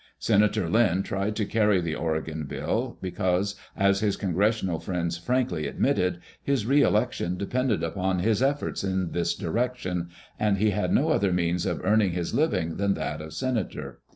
Senator L)mn tried to carry the Oregon bill, because, as his congressional friends frankly admitted, his re electjpn depended upon his efforts in this direction, and he had no other means of earning his living than that of senator.